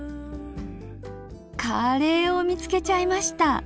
カレーを見つけちゃいました。